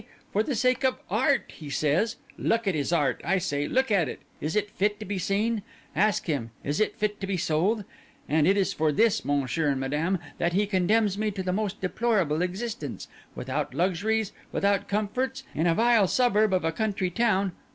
For the sake of Art, he says. Look at his art, I say—look at it! Is it fit to be seen? Ask him—is it fit to be sold? And it is for this, Monsieur and Madame, that he condemns me to the most deplorable existence, without luxuries, without comforts, in a vile suburb of a country town.